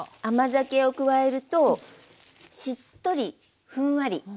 甘酒を加えるとしっとりふんわり。